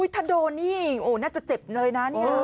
ถ้าโดนนี่น่าจะเจ็บเลยนะเนี่ย